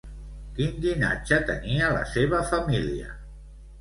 Quin llinatge tenia la seva família?